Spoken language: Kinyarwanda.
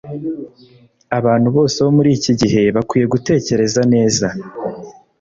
Abantu bose bo muri iki gihe bakwiye gutekereza neza